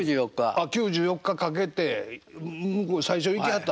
あっ９４日かけて向こうへ最初行きはった。